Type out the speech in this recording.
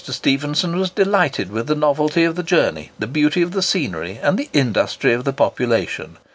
Stephenson was delighted with the novelty of the journey, the beauty of the scenery, and the industry of the population.